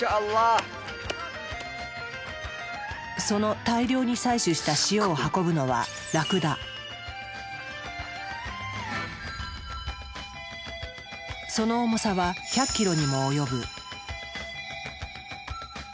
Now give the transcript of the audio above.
その大量に採取した塩を運ぶのはその重さは１００ｋｇにも及ぶ。